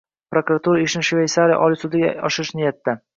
Prokuratura ishni Shveysariya oliy sudiga oshirish niyatida